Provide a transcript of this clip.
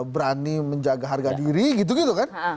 berani menjaga harga diri gitu gitu kan